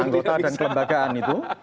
anggota dan kelembagaan itu